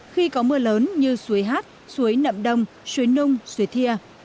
khi có mưa lớn như suối hát suối nậm đông suối nung suối thia